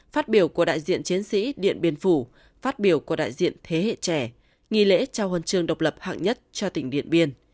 phát biểu của đại diện chiến sĩ điện biên phủ phát biểu của đại diện thế hệ trẻ nghi lễ trao huân trường độc lập hạng nhất cho tỉnh điện biên